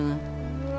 うわ。